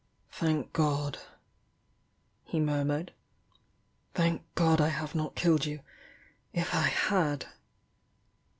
"Thank God!" he murmured— "thank God I have not killed you! If I had